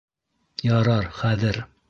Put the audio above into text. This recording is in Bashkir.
Ярар, хәҙер!